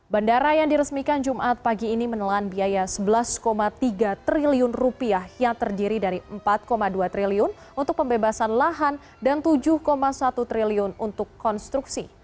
bandara yang diresmikan jumat pagi ini menelan biaya rp sebelas tiga triliun yang terdiri dari rp empat dua triliun untuk pembebasan lahan dan rp tujuh satu triliun untuk konstruksi